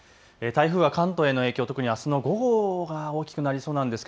台風は関東への影響特にあすの午後が大きくなりそうなんです。